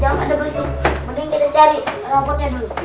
jangan pada bersih mending kita cari rapotnya dulu